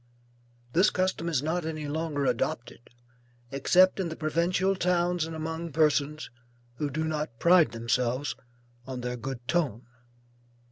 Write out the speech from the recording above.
This custom is not any longer adopted, except in the provincial towns and among persons who do not pride themselves on their good ton.